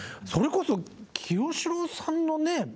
それこそ清志郎さんのね